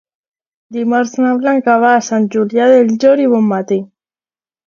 Dimarts na Blanca va a Sant Julià del Llor i Bonmatí.